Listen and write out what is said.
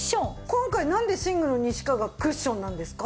今回なんで寝具の西川がクッションなんですか？